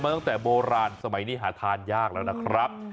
ตั้งแต่โบราณสมัยนี้หาทานยากแล้วนะครับ